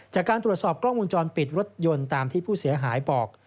จากการตรวจสอบกล้องวงจรปิดรถยนต์ตามที่ผู้เสียหายบอก